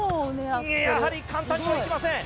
やはり簡単にはいきません